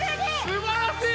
素晴らしい！